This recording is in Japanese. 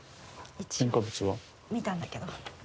一応見たんだけど。